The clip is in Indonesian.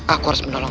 aku akan menang